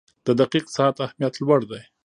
• د دقیق ساعت اهمیت لوړ دی.